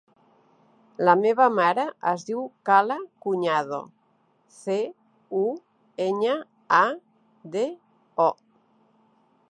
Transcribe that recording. La meva mare es diu Kala Cuñado: ce, u, enya, a, de, o.